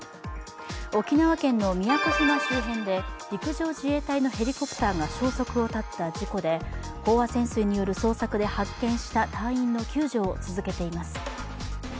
沖縄県の宮古島周辺で陸上自衛隊のヘリコプターが消息を絶った事故で、飽和潜水による捜索で発見した隊員の救助を続けています。